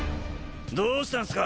どうしたんすか？